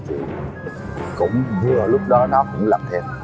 thì cũng vừa lúc đó nó cũng lặp theo